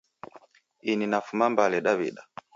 Ini nafuma mbale dawida